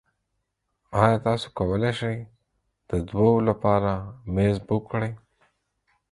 ایا تاسو کولی شئ د دوو لپاره میز بک کړئ؟